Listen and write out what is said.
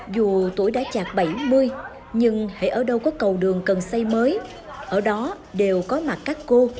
và thêm điều đáng trân quý hơn là